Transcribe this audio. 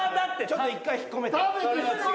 ちょっと１回引っ込めて。